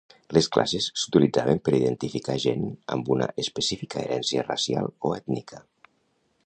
Les classes s'utilitzaven per identificar gent amb una específica herència racial o ètnica.